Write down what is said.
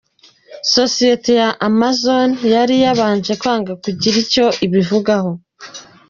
Isosiyete ya Amazon yari yabanje kwanga kugira icyo ibivugaho